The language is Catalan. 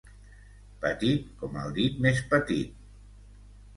Petit com el dit més petit.